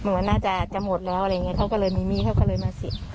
เหมือนมันน่าจะหมดแล้วอะไรอย่างเงี้ยเขาก็เลยมีมีเขาก็เลยมาเสีย